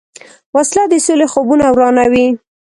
وسله د سولې خوبونه ورانوي